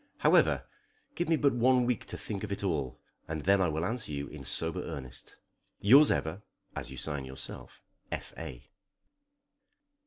However, give me but one week to think of it all, and then I will answer you in sober earnest. Yours ever (as you sign yourself), F. A.